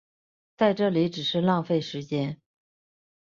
在这里只是浪费时间